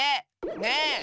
ねえ！